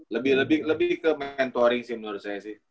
lebih ke mentoring sih menurut saya sih